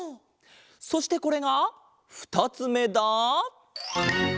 そしてこれがふたつめだ。